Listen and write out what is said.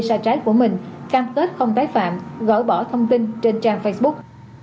sai trái của mình cam kết không tái phạm gỡ bỏ thông tin trên trang facebook